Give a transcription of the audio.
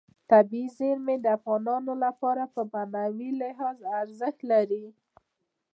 طبیعي زیرمې د افغانانو لپاره په معنوي لحاظ ارزښت لري.